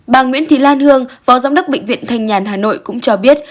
bà nguyễn thị lan hương phó giám đốc bệnh viện thanh nhàn hà nội cũng cho biết